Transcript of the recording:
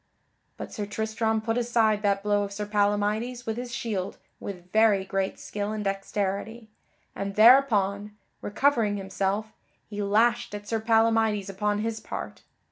But Sir Tristram put aside that blow of Sir Palamydes with his shield with very great skill and dexterity, and thereupon, recovering himself, he lashed at Sir Palamydes upon his part.